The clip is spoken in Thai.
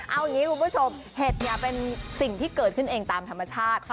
เอาอย่างนี้คุณผู้ชมเห็ดเนี่ยเป็นสิ่งที่เกิดขึ้นเองตามธรรมชาติ